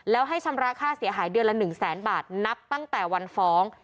แล้วให้ชำระค่าเสียหายเดือนละ๑แสนบาทนับตั้งแต่วันฟ้อง